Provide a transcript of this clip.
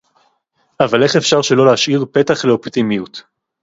אבל איך אפשר שלא להשאיר פתח לאופטימיות